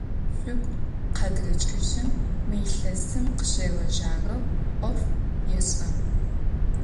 Шъугу къэдгъэкӏыжьын, мы илъэсым къыщегъэжьагъэу ӏоф ешӏэ.